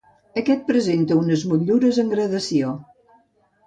Aquest presenta unes motllures en gradació.